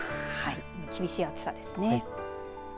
厳しい暑さです。